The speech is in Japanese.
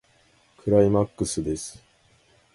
クライマックスです。